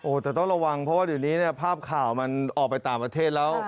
แต่ต้องระวังเพราะว่าเดี๋ยวนี้เนี่ยภาพข่าวมันออกไปต่างประเทศแล้ว